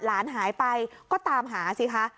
หลานหายไปก็ตามหาสิคะ